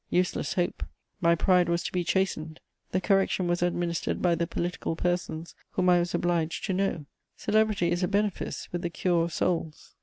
Useless hope! My pride was to be chastened; the correction was administered by the political persons whom I was obliged to know: celebrity is a benefice with the cure of souls.